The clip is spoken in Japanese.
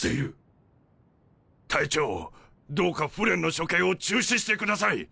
隊長どうかフレンの処刑を中止してください